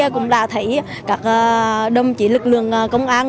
cũng là thấy các đồng chỉ lực lượng công an